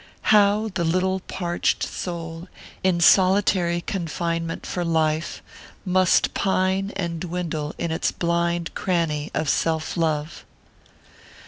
How the little parched soul, in solitary confinement for life, must pine and dwindle in its blind cranny of self love!